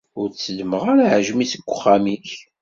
Ur d-tteddmeɣ ara aɛejmi seg uxxam-ik.